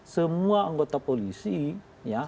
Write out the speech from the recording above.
semua anggota polisi ya